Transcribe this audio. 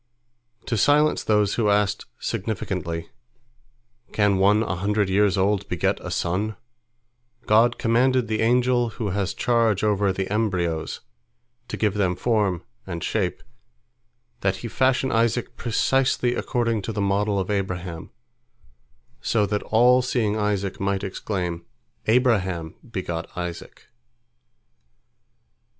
To silence those who asked significantly, "Can one a hundred years old beget a son?" God commanded the angel who has charge over the embryos, to give them form and shape, that he fashion Isaac precisely according to the model of Abraham, so that all seeing Isaac might exclaim, "Abraham begot Isaac."